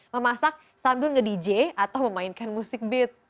memasak sambil nge dj atau memainkan musik beat